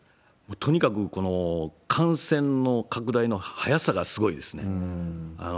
とにかく感染の拡大の速さがすごいですね。